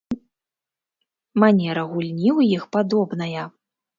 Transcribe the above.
Манера гульні ў іх падобная.